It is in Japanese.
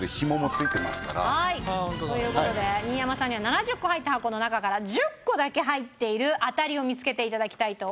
という事で新山さんには７０個入った箱の中から１０個だけ入っているあたりを見つけて頂きたいと思います。